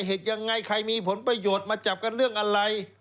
เหตุยังไงใครมีผลประโยชน์มาจับกันเรื่องอะไร